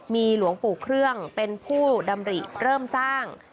มีหลวงปู่เครื่องเป็นผู้ดำริเริ่มสร้าง